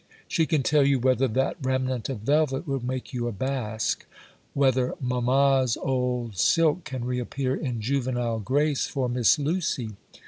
She can tell you whether that remnant of velvet will make you a basque,—whether mamma's old silk can reappear in juvenile grace for Miss Lucy.